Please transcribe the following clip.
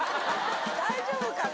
大丈夫かな？